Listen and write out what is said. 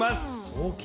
大きい。